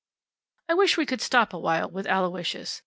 I wish we could stop a while with Aloysius.